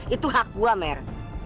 itu hak gua mer